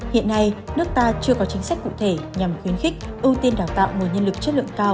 hiện nay nước ta chưa có chính sách cụ thể nhằm khuyến khích ưu tiên đào tạo nguồn nhân lực chất lượng cao